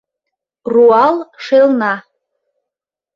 Руал шелна